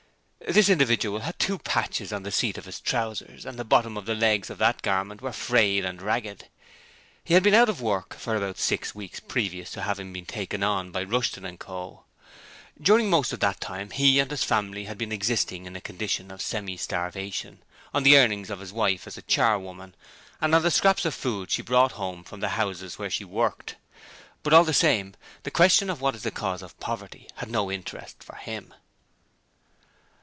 This individual had two patches on the seat of his trousers and the bottoms of the legs of that garment were frayed and ragged. He had been out of work for about six weeks previous to having been taken on by Rushton & Co. During most of that time he and his family had been existing in a condition of semi starvation on the earnings of his wife as a charwoman and on the scraps of food she brought home from the houses where she worked. But all the same, the question of what is the cause of poverty had no interest for him.